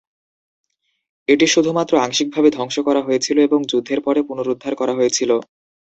এটি শুধুমাত্র আংশিকভাবে ধ্বংস করা হয়েছিল এবং যুদ্ধের পরে পুনরুদ্ধার করা হয়েছিল।